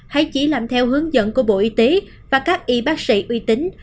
hay chỉ làm theo hướng dẫn của bộ y tế và các y bác sĩ uy tín